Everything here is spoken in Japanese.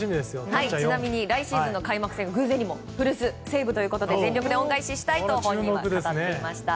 ちなみに来シーズン開幕戦偶然にも古巣・西武ということで全力で恩返したいと本人は語っていました。